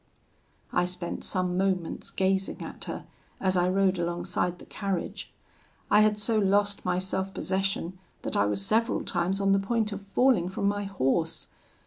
"I spent some moments gazing at her as I rode alongside the carriage. I had so lost my self possession, that I was several times on the point of falling from my horse.